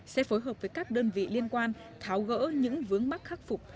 sẽ phối hợp với các đơn vị liên quan tháo gỡ những vướng mắc khắc phục